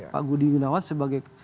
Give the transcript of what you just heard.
pak budi gunawan sebagai